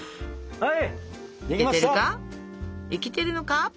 はい！